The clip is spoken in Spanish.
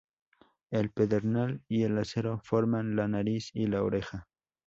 El pedernal y el acero forman la nariz y la oreja.